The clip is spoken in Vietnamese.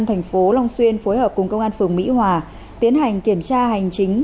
thành phố long xuyên phối hợp cùng công an phường mỹ hòa tiến hành kiểm tra hành chính